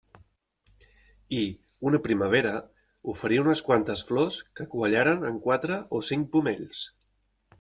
I, una primavera, oferí unes quantes flors que quallaren en quatre o cinc pomells.